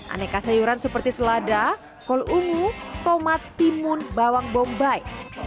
aneka sayuran seperti selada kol ungu tomat timun bawang bombay